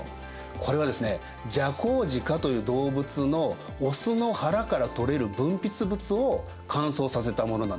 これはですねジャコウジカという動物の雄の腹から取れる分泌物を乾燥させたものなんです。